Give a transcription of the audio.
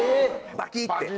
バキって。